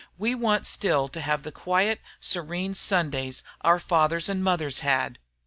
We want still to have the quiet, serene Sundays our fathers and mothers had."